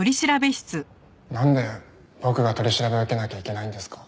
なんで僕が取り調べを受けなきゃいけないんですか？